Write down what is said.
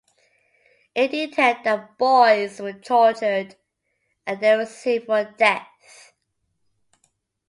It detailed that boys were tortured and there were several deaths.